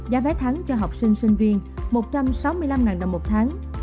giá vé thắng cho học sinh sinh viên một trăm sáu mươi năm đồng một tháng